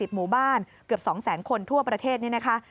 หมู่บ้านเกือบ๒แสนคนทั่วประเทศนี่นะคะ